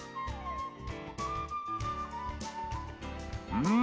うん！